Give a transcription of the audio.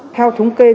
theo thống kê